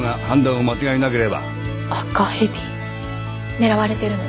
狙われてるの。